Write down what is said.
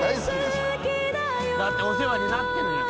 だってお世話になってるんやから。